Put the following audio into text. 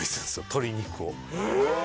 鶏肉をえ！